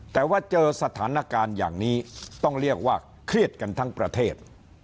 แต่ว่าเจอสถานการณ์อย่างนี้ต้องเรียกว่าเครียดกันทั้งประเทศ